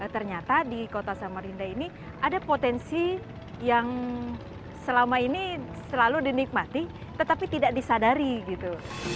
ternyata di kota samarinda ini ada potensi yang selama ini selalu dinikmati tetapi tidak disadari gitu